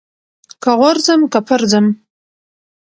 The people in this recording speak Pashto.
که غورځم که پرځم.